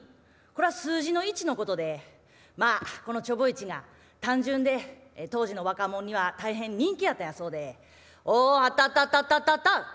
これは数字の１のことでまあこのちょぼいちが単純で当時の若者には大変人気やったんやそうで「お張った張った張った張った張った！